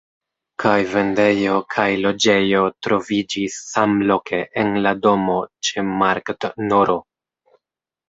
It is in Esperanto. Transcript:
Kaj vendejo kaj loĝejo troviĝis samloke en la domo ĉe Markt nr.